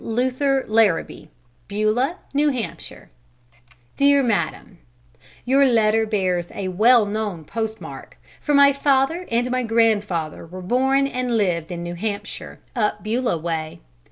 LUTHER LARRABEE, Beulah, N.H. DEAR MADAM: Your letter bears a well known postmark, for my father and my grandfather were born and lived in New Hampshire, "up Beulah way."